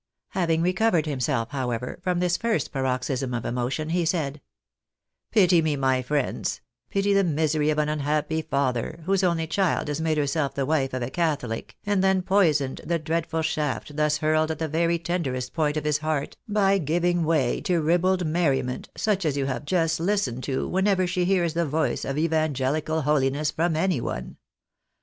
Having recovered himself, however, from this first paroxysm of emotion, he said —" Pity me, my friends, pity the misery of an unhappy father, whose only child has made herself the wife of a Cathohc, and then poisoned the dreadful shaft thus hurled at the very tenderest point of his heart, by giving way to ribald merriment, such as you have just listened to whenever she hears the voice of evangelical hohness from any one.